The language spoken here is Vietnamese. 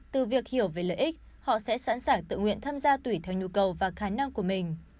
từ việc hiểu về lợi ích họ sẽ sẵn sàng tự nguyện tham gia tùy theo nhu cầu và khả năng của mình